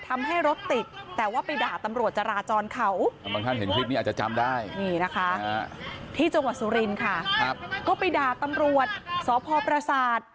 ที่จังหวัดสุรินค่ะก็ไปด่าตำรวจสพประสาท